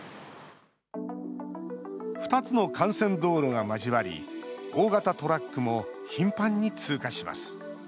２つの幹線道路が交わり、大型トラックも頻繁に通過します。